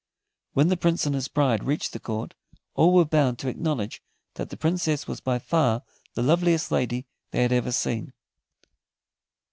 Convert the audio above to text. When the Prince and his bride reached the court, all were bound to acknowledge that the Princess was by far the loveliest lady they had ever seen.